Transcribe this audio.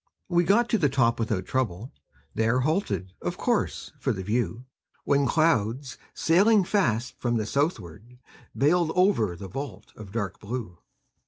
We got to the top without trouble; There halted, of course, for the view; When clouds, sailing fast from the southward, Veiled over the vault of dark blue.